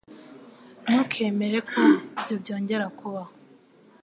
Ntukemere ko ibyo byongera kubaho !